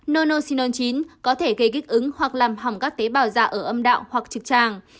nonoxinon chín có thể gây kích ứng hoặc làm hỏng các tế bào già ở âm đạo hoặc trực tràng